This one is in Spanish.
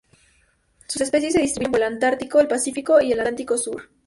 Sus especies se distribuyen por el Antártico, el Pacífico y el Atlántico sur.